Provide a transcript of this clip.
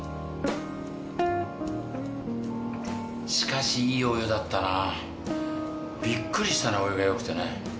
しかしいいお湯だったなびっくりしたなお湯がよくてね。